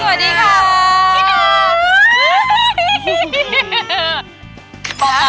สวัสดีค่ะสวัสดีค่ะ